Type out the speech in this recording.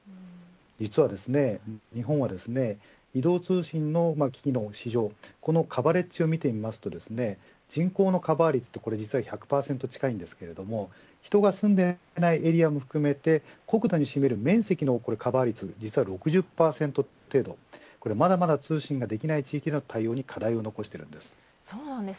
実は日本は移動通信の機器の市場このカバレッジを見てみますと人口のカバー率は１００％近いですが人が住んでいないエリアも含めて国土に占める面積のカバー率は６０％程度まだまだ通信ができない地域の対応に課題を残しています。